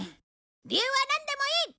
理由はなんでもいい！